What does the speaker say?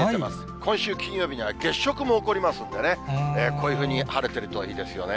今週金曜日には月食も起こりますのでね、こういうふうに晴れているといいですよね。